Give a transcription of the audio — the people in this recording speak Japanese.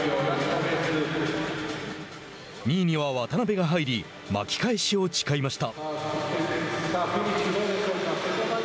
２位には渡辺が入り巻き返しを誓いました。